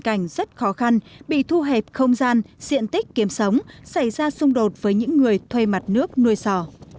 cảnh rất khó khăn bị thu hẹp không gian diện tích kiếm sống xảy ra xung đột với những người thuê mặt nước nuôi sò